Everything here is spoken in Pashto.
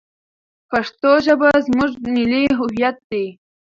پښتو ژبه زموږ ملي هویت دی.